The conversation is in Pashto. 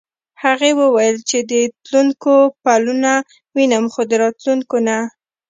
هغې وویل چې د تلونکو پلونه وینم خو د راوتونکو نه.